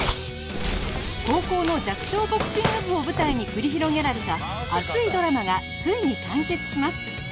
高校の弱小ボクシング部を舞台に繰り広げられた熱いドラマがついに完結します